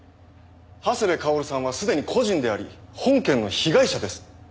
長谷部薫さんはすでに故人であり本件の被害者です。